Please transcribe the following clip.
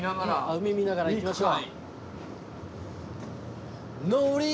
海見ながらいきましょう。